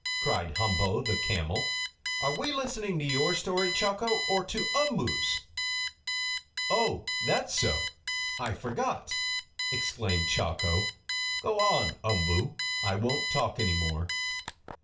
cried Humpo the camel. "Are we listening to your story, Chako, or to Umboo's?" "Oh, that's so! I forgot!" exclaimed Chako. "Go on, Umboo. I won't talk any more."